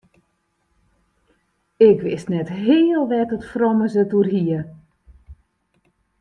Ik wist net heal wêr't it frommes it oer hie.